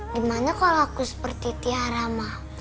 gimana kalau aku seperti tiara